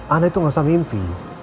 anak itu gak usah mimpi